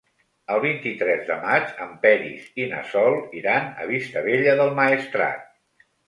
El vint-i-tres de maig en Peris i na Sol iran a Vistabella del Maestrat.